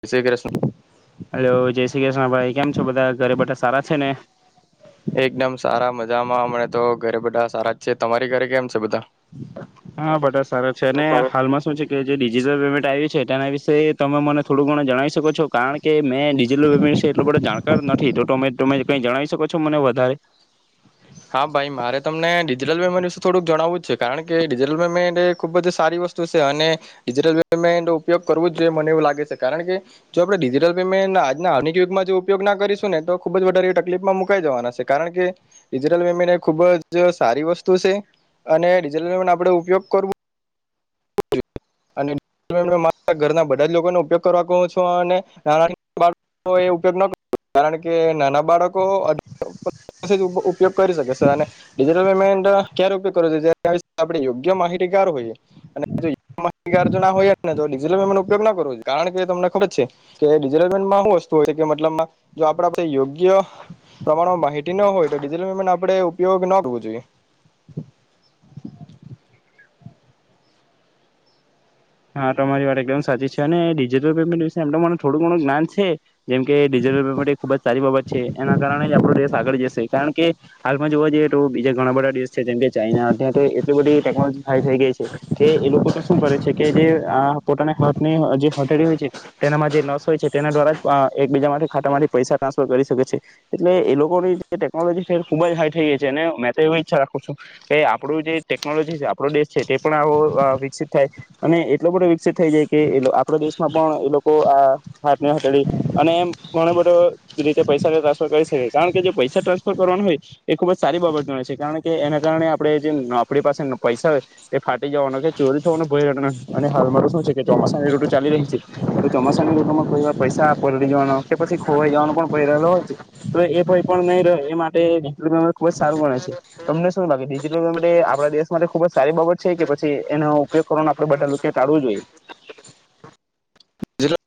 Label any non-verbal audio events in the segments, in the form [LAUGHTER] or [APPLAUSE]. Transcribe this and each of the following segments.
વિ શવી કશ હલો જય શ્રી કૃષ્ણ ભાઈ કેમ છો બધા ઘરે બેટા સારા છે ને એકદમ સારા મજામાં અમણા તો ઘરે બધા સારા જ છે તમારી ઘરે કેમ છે બધા હા બટા સારા છે અને હાલમાં શું છે કે જે ડિજિટલ પેમેન્ટ આવી્યું છે તેના વિશે તમે મને થોડું ઘણ જણી શકો છો કારણ કે મેં ડિજિટલ પેમેન્ટ વિશે એટલું બધે જાણકાર નથી તો તમે તમે કઈ જણાવ શકો છો મને વધારે હા ભાઈ મારે તમને ડિજિટલ પેમેન્ટ વિશે થોડુંક જણાવું છે કારણ કે ડિજિટલ પેમેન્ટ એ ખુબ જ સારી વસ્તુ છે અને ડિજિટલ પેમેન્ટ ઉપયોગ કરવો જ જોઈએ મને એવું લાગે છે કારણ કે જો આપણે ડિજિટલ પેમેન્ટ આજનાનિક યુગમાં જો ઉપયોગ ના કરીશું ને તો ખુબ જ વધારે તકલીફમાં મુકાઈ જવાના છે કારણ કે ડિજિટલ પેમેન્ટ એ ખૂબ જ સારી વસ્તુ છે અને ડિજિટલ પેમેન્ટ આપણે ઉપયોગ કરવો મારા ઘરના બધા જ લોકોને ઉપયોગ કરવા કહ છો અને નાના બાળકો એ ઉપયોગ કર કારણ કે નાના બાળકો ઉપયોગ કરી શકે છે અનેટલ પેમેન્ટ ક્યારે ઉપયોગ કર આપ યોગ્ય માહિતી કાર હોઈએ માહીજ ના હોયટલમેન્ટ ઉપયોગ ના કરવો જો કારણ કે તમને ખબર છે કેટલ પેમેન્ટમાંું વસ્તુ હોય કે મતલબ જો આપ યોગ્ય પ્રમાણમાં માહિતી ન હોય તોટલ પેમેન્ટ આપણે ઉપયોગ ના કરવો જોઈએ હા તમારી વાત એકદમ સાચી છે અને ડિજિટલ પેમેન્ટ દ એમનું મને થોડું ઘણું જ્ઞાન છે જેમ કે ડિજિટલ પેમેન્ટ એ ખુબ જ સારી બાબત છે એના કારણે જ આપણો દેશ આગળ જશે કારણ કે હાલમાં જોવા જઈએ તો બીજા ઘણા બધા દેશ જેમ કે ચાઈઇના અ તો એટલી બધી ટેકનોલોજી હાઈ થઈ ગઈ છે કે એ લોકો તો શું કરે છે કે જે પોતાના હાથની જે હથેળ હોય છે તેનામાં જે નસ હોય છે તેના દ્વારા જ એકબીજા માટે ખાતામાંથી પૈસા ટ્રાન્સફર કરી શકે છે એટલે એ લોકોની જે ટેકનોલોજીે ખૂબ જ હાઈ થઈ ગઈ છે અને મેં તો એવી ઈચ્છા રાખું છું કે આપણું જે ટેકનોલોજી છે આપણો દેશ છે તે પણ આવો વિકસિત થાય અને એટલો બધો વિકસિત થઈ જાય કે આપણા દેશમાં પણ એ લોકો આ ફાટને હટળ અને એમ ઘણો બધો રીતે પૈસા ટ્રાન્સફર કરી શકે કારણ કે જે પૈસા ટ્રાન્સફર કરવાનો હોય એ ખુબ જ સારી બાબત ગ છે કારણ કે એના કારણે આપણે જે આપણી પાસે પૈસા હોય એ ફાટી જવાનો કે ચોરી થવાનો હાલ શ છે ચોમાસાની રટો ચાલી રહી છે તો ચોમાસાની રૂટમાં કોઈ વાર પૈસા પડી જવા કે પછી ખોવાઈ જવાનો પણ રહેલો હોય છે તો એ ભય પણ નહી એ માટેટલ પમેન્ટ ખુબ જ સારું ગ છે તમને શું લાગેિજટલ પેમેન્ટ આપણા દેશ માટે ખુબ જ સારી બાબત છે કે પછી એનો ઉપયોગ કો આપડે બધા ટાળવું જોઈએ ડિજિટલ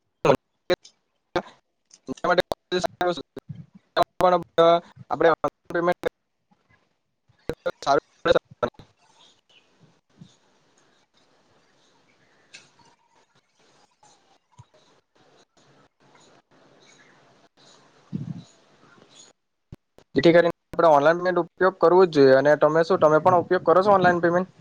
આપણે પેમેન્ટ [INAUDIBLE] જેથી કરીને આપણે ઓનલાઈન પેમેન્ટ ઉપયોગ કરવો જ જોઈએ અને તમે શું તમે પણ ઉપયોગ કરો છો ઓનલાઈન પેમેન્ટ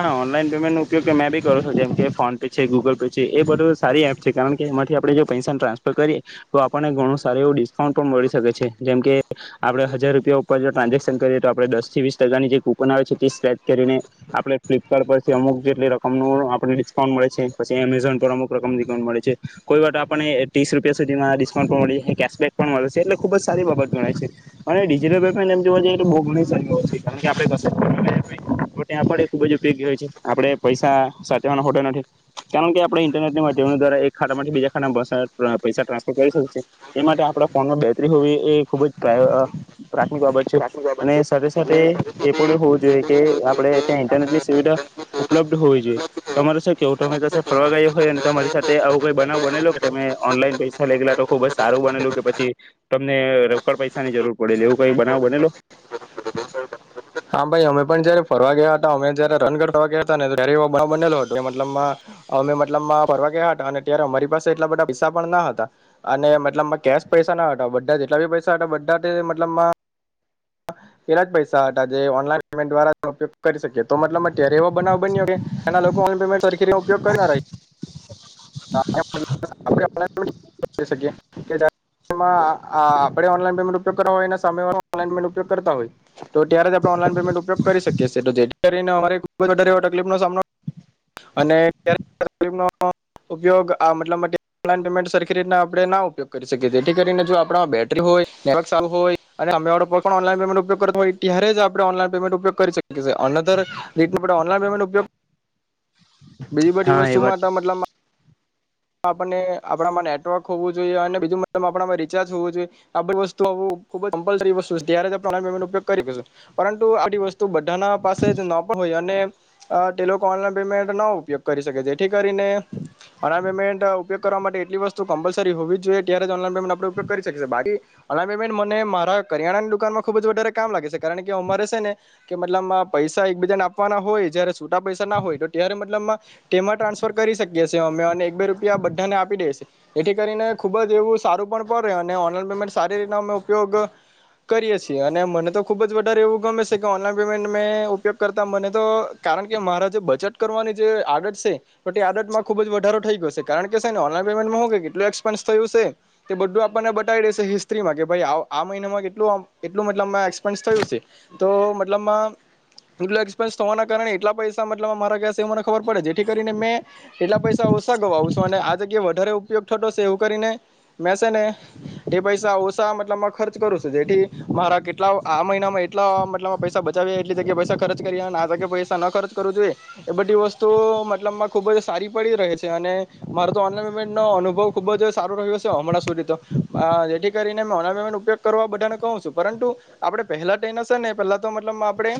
હા ઓનલાઈન પેમેન્ટ નો ઉપયોગ તમે બી કરો છો જેમ કે ફોન પે છે ગુગલ પે છે એ બધ સારી એપ છે કારણ કે એમાંથી આપણેે પૈસા ટ્રાન્સફર કરીએ તો આપણને ઘણું સારું એવું ડિસ્કાઉન્ટ પણ મળી શકે છે જેમ કે આપડે હજાર રૂપિયા ઉપર જો ટ્રાન્ઝેક્શન કરીએ તો આપણે દસ થી વીસ ટકાની જે કુપન આવે છે તે સ્કચ કરીને આપણે ફ્લિપકાર્ટ પરથી અમુક જેટલી રકમનું આપણે ડિસ્કાઉન્ટ મળે છે પછી એમેઝોન પર અમુક રકમ ન ડિકાઉન્ટ મળે છે કોઈ વાત આપણે ત્રીસ રૂપિયા સુધીમાં ડિસ્કાઉન્ટ પણ મળી કેશબેક પણ મળે છે એટલે ખુબ જ સારી બાબત જણાય છે અને ડિજિટલ પેમેન્ટ એમ જોવા જઈએ તો બહુ ઘણી સારી હોય છે કારણ કે આપણે ત ખબ જ ઉપયોગી હોય છે આપણે પૈસા સાચવાના હો નથી કારણ કે આપણે ઇન્ટરનેટ ના માધ્યમ દ્વારા એક ખાટમાંથી બીજા ખા પૈસા ટ્રાન્સફર કરી શક એ માટે આપણા ફોનમાં બેટરી હોવી એ ખૂબ જ પ્રાથમિક બાબત છે અને સાથે સાથે એ પણ હોવું જોઈએ કે આપણે ત્યાં ઇન્ટરનેટ ની સુવિધા ઉપલબ્ધ હોવી જોઈએ તમારે કેવું તમે ફરવા ગયા હોય અને તમારી સાથે આવું કઈ બનાવ બનેલો કે તમે ઓનલાઈન પૈસા લઈ ગેલા તો ખુબ જ સારું બનેલું કે પછી તમને રોકડ પૈસાની જરૂર પડેલી એવું કઈ બનાવ બનેલો હા ભાઈ અમે પણ જયારે ફરવા ગયા હતા અમે જયારે રનગર ફરવા ગયા હતા ને ત્યારે એ બ બનેલો હતો મતલબ અમે મતલબ ફરવા ગયા હતા અને ત્યારે અમારી પાસે એટલા બધા પૈસા પણ ના હતા અને મતલબ કેશ પૈસા ના હતા બધા જેટલા બી પૈસા હતા બધા મતલબ એલા જ પૈસા હતા જે ઓનલાન પેમેન્ટ દ્વારા ઉપયોગ કરી શકીએ તો મતલબ અત્યારે એવો બનાવ બન્યો કે એના લોકો પેમેન્ટી ઉપયોગ કર ના ર આપણે ઓલામેન્ટ ઉપગ કરવા હોય સામેમે ઉપયોગ કરતા હોય તો ત્યારે આપણે ઓનન પમેન્ટ ઉપયોગ કરી શકીએ જેથી કરીને અમારે ખુબ જારે એ તકલીફ નો સામનો અને ઉપયોગ આ મતલબન પેમેન્ટ સરખી રીતના આપણે ના ઉપયોગ કરી શકીએ જેથી કરીને જો આપ બેટરી હોયને સારું હોય અને અમેો ઓનમેન્ટ ઉપયો કરતા હોય ત્યારે જ આપણે ઓનલાન પમેન્ટ ઉપયોગ કરીકીએએ અનધર રીત ઓનલાન પમેન્ટ ઉપયોગ બીજી બધી હા વસ્તુ એ વાત માટે મતલબ આપ આપણામાં નેટવર્ક હોવું જોઈએ અને બીજું આપમાં રિચાર્જ હોવું જોઈએ આ બધી વસ્તુ ખબપત ત્યારે ઉપગ કરીશું પરંતુ આ વસ્તુ બધાના પાસે જ ન પણ હોય અને ઓનલાન પેમેન્ટ ન ઉપયોગ કરી શકે જેથી કરીને પેમેન્ટ ઉપયોગ કરવા માટે એટલી વસ્તુ કમ્પલસરી હોવી જ જોઈએ ત્યારે ઓનલાન પમેન્ટ આપ ઉપયોગ કરી શકી બાકી ઓનલાન પેમેન્ટ મને મારા કરિયાણાની દુકાનમાં ખુબ જ વધારે કામ લાગે છે કારણ કે અમારે શે ને કે મતલબ પૈસા એકબીજા ને આપવાના હોય જયારે છૂટા પૈસા ના હોય તો ત્યારે મતલબ તેમાં ટ્રાન્સફર કરી શકીએ છીએ અમે બે રૂપિયા બધાને આપી દે છે એથી કરીને ખુબ જ એવું સારું પણ પડે અને ઓનલાઈન પેમેન્ટ સારી રીતના અમે ઉપયોગ કરીએ છીએ અને મને તો ખુબ જ વધારે એવું ગમે છે કે ઓનલાઈન પેમેન્ટ મેં ઉપયોગ કરતા મને તો કારણ કે મારા જે બચત કરવાની જે આદત છે તો તે આડતમાં ખુબ જ વધારો થઈ ગયો છે ન પેમેન્ટમાં કેટલું એક્સપેન્સ થયું છે તે બધું આપણને બતાવી દેશે હિસ્ત્રીમાં કે આ મહિનામાં કેટલું મતલબમાં એક્સપેન્સ થયું છે તો મતલબમાં કેટલું એક્સપેન્સ થવાના કારણે એટલા પૈસા મતલબ મારા ક એ મને ખબર પડે જેથી કરીને મે એટલા પૈસા ઓસા છો અને આ જગ્યાએ વધારે ઉપયોગ થતો છે એવું કરીને મેં છે ને એ પૈસા ઓછા મતલબમાં ખર્ચ કરું છું જેથી મારા કેટલા આ મહિનામાં એટલા મતલબમાં પૈસા બચાવ્યા એટલી જગ્યાએ પૈસા ખર્ચ કરીએ અને આ જગ્યાએ પૈસા ન ખર્ચ કરવું જોઈએ એ બધી વસ્તુઓ મતલબમાં ખૂબ જ સારી પડી રહે છે અને મારે તો ઓનલાઈન પેમેન્ટ નો અનુભવ ખુબ જ સારો રહ્યો હશે હમણાં સુધી તો જેથી કરીને મે ઓનન પેમેન્ટ ઉપયોગ કરવા બધાને કહું છું પરંતુ આપણે પહેલા તો એના હશે ને પહેલા તોતલબ આપણે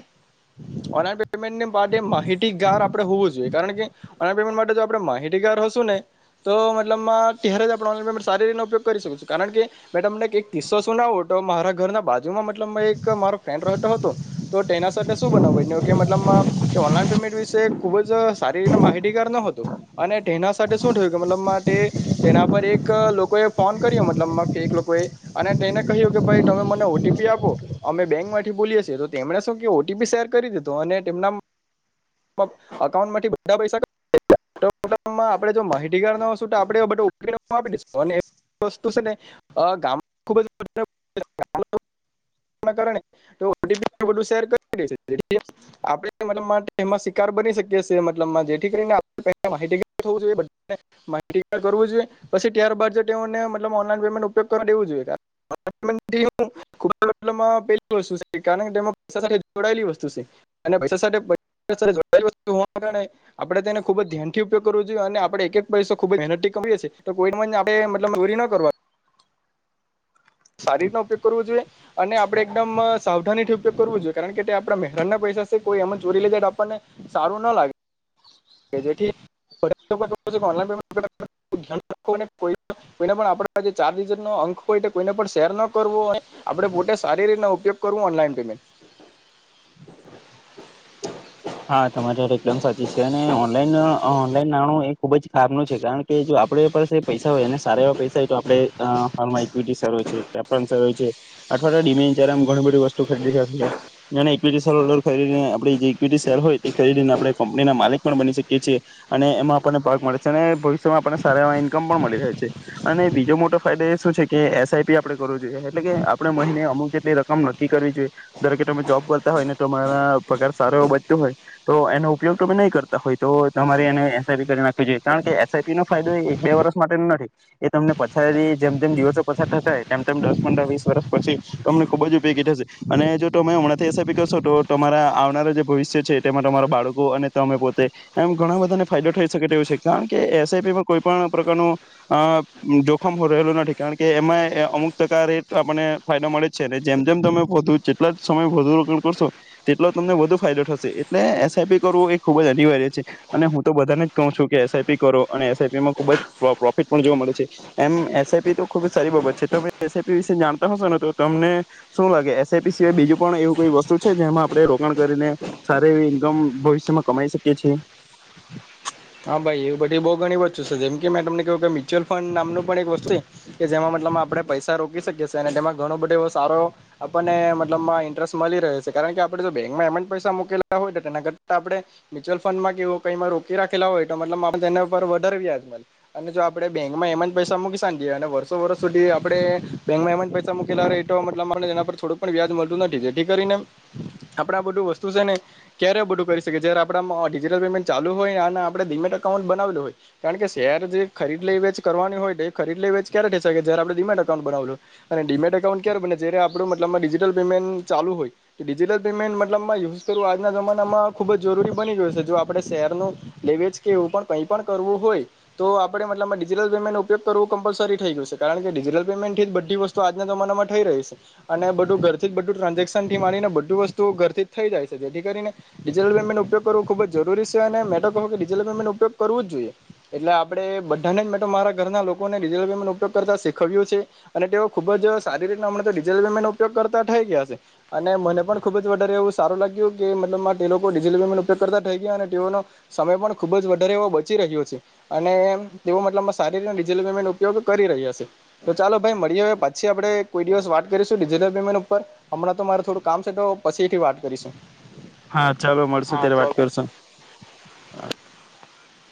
ઓનલાન પેમેન્ટ માટે માહિતીગાર આપડે હોવું જોઈએ કારણ કે ઓનલાન પેમેન્ટ માટે આપે માહિતીગાર સી ઉપગ કરી શું કારણ કે મેને કિસ્સો શું નાો મારા ઘર બાજુમાં મલ એક મારો ફ્રેનતો હતો તો તેના શું બનાવ ઓનન પેમેન્ટ વિશે ખુબ જ સારી રીતે માહિતીગાર ન હતો અને શું થયું કે મતલબ તેના પર એક લોકોએ ફોન કર્યો મતલબ ફ એક લોકોએ અને તેને કહ્યું કે ભાઈ તમે મને ઓટીપી આપો અમે બેંક માંથી બોલીએ છીએ તો તેમણે શું કે ઓટીપી શેર કરી દીધો અને તેમના અઉન્ટમાંથી બધા પૈસા માહિતીગાર ના તો આપણે આપી દશું વસ્તુ છે ને ગામબ આપમાં શિકાર બની શકીલબ જેથી કરીને માહિતી ી જોઈ પ ત્યારબાદને ઉપગ કરવાેવ જોઈએ કારણ જોડાયલી પૈ સાથે આપ તેને ખુબ જ ધ્યાનથી ઉપગ જોએ અને આપણે એક એક પૈસ ખુબ જ મન કએ છી તો કોઈ આપલ નરી ના કરવા સારી રીતનો ઉપયોગ કરવો જોઈએ અને આપણે એકદમ સાવધાનીથી ઉપયોગ કરવો જોઈએ કારણ કે તે આપણા મહેરાન ના પૈસા છે કોઈ એમ ચોરી લીધે આપણને સારું ના લાગે જેાર અંક હોય શેર ન કરવો આપે પોતે સારી રીતના ઉપયોગ કરવોનેમેન્ટ હા તમારી માટે એકદમ સાચી છે અને ઓનલાઈન ઓનલાઈન નાણું એ ખુબ જ ખરાબ નું છે કારણ કે જો આપડ પસે પૈસા હોય એને સારા પૈસા હોય તો આપડે હાલમાં ઈક્વિટી સારો છે વ્યાપાર સારો છે અઠવાડિયા ડિમેન્ડ [UNINTELLIGIBLE] ઘણુ બઘી વસ્તુઓ વસ્તુ ખરીદી શક્યે [UNINTELLIGIBLE] કરીને આપ શેર હોય તે ખરીદીને આપણે કંપનીના માલિક પણ બની શકીએ છીએ અને એમાં આપણને પાગ મળે છે અને ભવિષ્યમાં આપણને સારા એ ઈન્કમ પણ મળી રહે છે અને બીજો મોટો ફાયદો એ શું છે કે એસઆઈપી આપણે કરવો જોઈએ એટલે કે આપણે મહિને અમુક જેટલી રકમ નક્કી કરવી જોઈએ જરેકે તમે જોબ કરતા હોય ને તમારા પગાર સારો એવ બતું હોય તો એનો ઉપયોગ તમે નહીં કરતા હોય તો તમારે એને એસઆઈપી કરી નાખવી જોઈએ કારણ કે એસઆઈપી નો ફાયદો એક બે વર્ષ માટેનો નથી એ તમને પછા જેમ તેમમ દિવસો પછાર થશે તેમ તેમ દસ પંદર વીસ વર્ષ પછી તમને ખુબ જ ઉપયોગી થશે અને જો તમે હમણાંથી એસઆઈપી કરશો તો તમારા આવનારા ભવિષ્ય છે તેમાં તમારા બાળકો અને તમે પોતે એમ ઘણા બધાને ફાયદો થઈ શકે તેવ છે કારણ કે એસઆઈપીમાં કોઈ પણ પ્રકારનું જોખમ રહેલું નથી કારણ કે એમાં અમુક ટકા રે આપને ફાયદો મળે જ છે અને જેમ જેમ તમે વધુ જેટલા સમય વધુ રોકાણ કરશો તેટલો તમને વધુ ફાયદો થશે એટલે એસઆઈપી કરવું એ ખૂબ જ અનિવાર્ય છે અને હું તો બધાને જ કહું છું કે એસઆઈપી કરો અને એસઆઈપી માં ખૂબ જ પ્રોફિટ પણ જોવા મળે છે એમ એસઆઈપી તો ખુબ જ સારી બાબત છે. તમે એસઆઈપી વિશે જાણતા હશો ને તો તમને શું લાગે એસઆઈપી સિવાય બીજું પણ એવું કોઈ વસ્તુ છે જેમાં આપણે રોકાણ કરીને સાર એવી ઈન્કમ ભવિષ્યમાં કમાઈ શકી છીએ? હા ભાઈ એ બધી બઉુ ઘણી વસ્તુ છે જેમ કે મેં તમને કહ્યું કે મ્યુચ્યુઅલ ફંડ નામનું પણ એક વસ્તુ કે જેમાં મતલબ આપણે પૈસા રોકી શકીએ છીએ અને તેમાં ઘણો બધો એવો સારો આપણને મતલબમાં ઇન્ટરેસ્ટ મળી રહે છે કારણ કે આપણે જો બેંકમાં એમેન્ટ પૈસા મૂકેલા હોય તો તેના કરતા આપણે મ્યુચ્યુઅલ ફંડમાં કેવું કઈમાં રોકી રાખી ે આપ તેના પર વધારે વ્યાજ મળ અને જો આપણે બેંકમાં એમ જ પૈસા મૂકીશએ અને વર્ષો વર્ષ સુધી આપણે બેંકમાં એમ જ પૈસા મૂકેલા હો તો મતલબ આપ તેના પર થોડું પણ વ્યાજ મળતું નથી એથી કરીને આપણા આ બધું વસ્તુ છે ને ક્યારેય બધું કરી શકીએ જય્યારે આપણા ડિજિટલ પેમેન્ટ ચાલુ હોય ને ણે ડીમેટ અકાઉન્ટ બનાવેું હોય કારણ કે શેર જે ખરીદ લે વે કરવાની હોય તો એ ખરીદ લઈ વેચ ક્યારે થઈ શકે જય આપણે ડીમેટ અકાઉન્ટ બનાવલ અને ડીમેટ એકાઉન્ટ ક્યારે બને જય્યારે આપણું મતલબમાં ડિજિટલ પેમેન્ટ ચાલુ હોય તો ડિજિટલ પેમેન્ટ મતલબમાં યુઝ કરવું આજના જમાનામાં ખુબ જરૂરી બની ગયું છે જો આપણે શેરનું લેવેજ કે એવું પણ કંઈ પણ કરવું હોય તો આપણે મતલબમાં ડીજિટલ પેમેન્ટનો ઉપયોગ કરવો કમ્પલસરી થઈ ગયું છે કારણ કે ડિજિટલ પેમેન્ટથી જ બધી વસ્તુ આજના જમાનામાં થઈ રહી છે અને બધું ઘરથી જ બધું ટ્રાન્ઝેક્શન થી માણીને બધું વસ્તુઓ ઘરથી જ થઈ જાય છે જેથી કરીને ડિજિટલ પેમેન્ટનો ઉપયોગ કરવો ખૂબ જરૂરી છે અને મેટો મેન્ટ ઉપયોગ કરવો જ જોઈએ એટલે આપણેે બધાને મારા ઘરના લોકોનેટલ પેમે ઉપયોગ કરતા શીખવ્યું છે અને તેઓ ખુબ જ સારી રીતટલ પેમેન્ટ ઉપયોગ કરતા થઈ ગયા છે અને મને પણ ખુબ જ વધારે એવું સારું લાગ્યું કે મલબ તેિટલ પેમેન્ટ ઉપયોગ કરતા થઈ ગયા તેઓના સમય પણ ખુબ જ વધારે એવો બચી રહ્યો છે અને તતો મતલબ સારી રીતે ડિજિટલ પેમેન્ટ ઉપયોગ કરી રહ્યા છે. તો ચાલો ભાઈ મળી હ પછી આપડણે કોઈ દિવસ વાત કરીશું ડિજિટલ પેમેન્ટ ઉપર હમણાં તો મારે થોડું કામ છે તો પછીથી વાત કરીશું. હા ચાલો મળશુ હા ત્યારે ચાલ વાત કરશુ [INAUDIBLE]